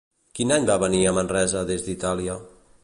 Quin any va venir a Manresa des d'Itàlia?